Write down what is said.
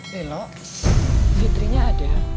nih lo fitrinya ada